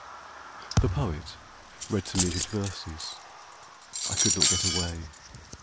HE Poet read to me his verses (I could not get away).